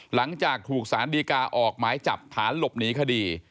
หลังจากถูกสารดีกาออกหมายจับฐานหลบหนีคดี